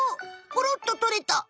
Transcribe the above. ポロっととれた。